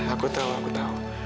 aku tahu aku tahu